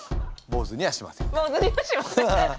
坊主にはしません。